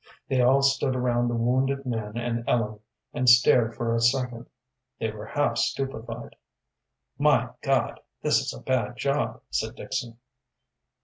They all stood around the wounded man and Ellen, and stared for a second. They were half stupefied. "My God! this is a bad job," said Dixon.